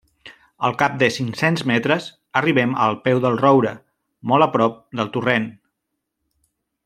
Al cap de cinc-cents metres arribem al peu del roure, molt a prop del torrent.